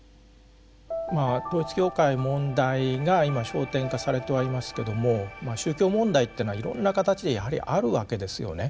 まあ統一教会問題が今焦点化されてはいますけども宗教問題っていうのはいろんな形でやはりあるわけですよね。